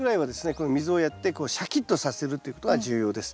この水をやってシャキッとさせるということが重要です。